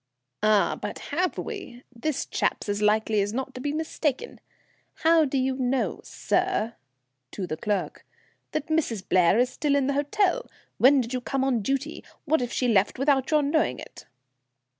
"Ah! but have we? This chap's as likely as not to be mistaken. How do you know, sir," to the clerk, "that Mrs. Blair is still in the hotel? When did you come on duty? What if she left without your knowing it?"